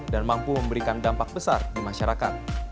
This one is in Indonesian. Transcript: mampu memberikan dampak besar di masyarakat